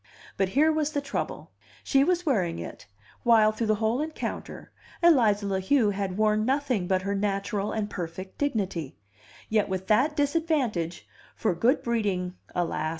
But here was the trouble: she was wearing it; while, through the whole encounter, Eliza La Heu had worn nothing but her natural and perfect dignity; yet with that disadvantage (for good breeding, alas!